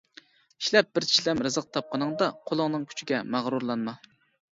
ئىشلەپ بىر چىشلەم رىزىق تاپقىنىڭدا، قولۇڭنىڭ كۈچىگە مەغرۇرلانما.